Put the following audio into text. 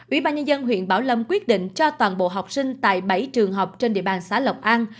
ủy ban nhân dân huyện bảo lâm quyết định cho toàn bộ học sinh tại bảy trường học trên địa bàn xã lộc an